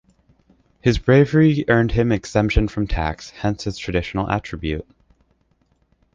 His bravery earned him exemption from tax, hence his traditional attribute.